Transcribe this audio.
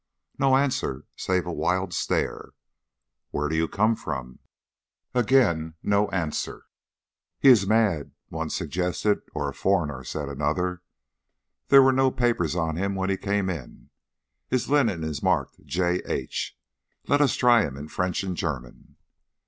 No answer, save a wild stare. "Where do you come from?" Again no answer. "He is mad," one suggested. "Or a foreigner," said another. "There were no papers on him when he came in. His linen is marked 'J. H.' Let us try him in French and German."